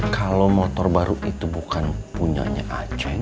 kalau motor baru itu bukan punyanya aceh